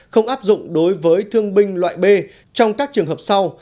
không áp dụng đối với thương binh loại b trong các trường hợp sau